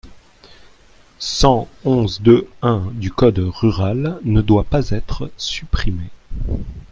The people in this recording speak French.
cent onze-deux-un du code rural ne doit pas être supprimé.